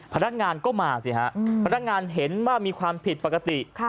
พนักงานก็มาสิฮะพนักงานเห็นว่ามีความผิดปกติ